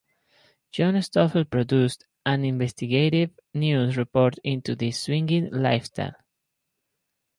John Stossel produced an investigative news report into the swinging lifestyle.